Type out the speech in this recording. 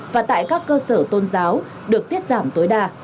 và tại các cơ sở tôn giáo được tiết giảm tối đa